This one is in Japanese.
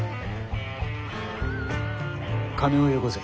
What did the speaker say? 金をよこせ。